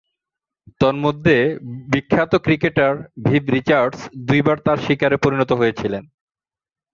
তন্মধ্যে, বিখ্যাত cricketer Viv Richards দুইবার তার শিকারে পরিণত হয়েছিলেন।